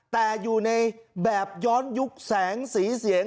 แต่อยู่ในแบบย้อนยุคแสงสีเสียง